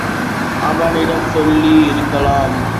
அவனிடம் சொல்லி இருக்கலாம்.